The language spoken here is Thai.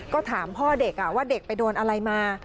ก็ถามพ่อเด็กว่าเด็กไปโดนอะไรมา